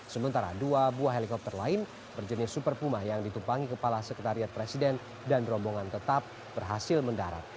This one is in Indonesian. sementara dua buah helikopter lain berjenis super puma yang ditumpangi kepala sekretariat presiden dan rombongan tetap berhasil mendarat